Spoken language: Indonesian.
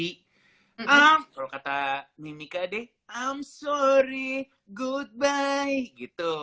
kalau kata mimika deh i'm sorry goodbye gitu